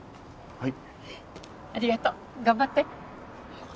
はい。